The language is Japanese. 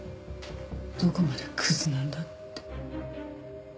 どこまでクズなんだって。